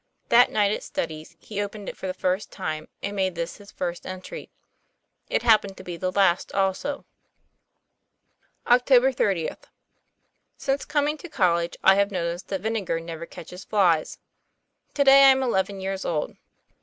That night at studies, he opened it for the first time, and made this his first entry. It hap pened to be the last also. OCT. 3OTH. Since coming to college I have notised that vini ger never catches flys. To day I am eleven years old.